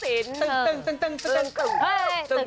ตึงตึงตึงตึงตึง